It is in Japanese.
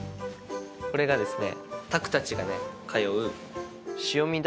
これがですね